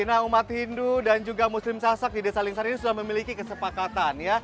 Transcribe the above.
nah umat hindu dan juga muslim sasak di desa lingkar ini sudah memiliki kesepakatan